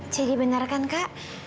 jadi bener kan kak